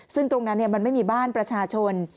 ซึ่งตรงนั้นมันไม่มีบ้านประชาชน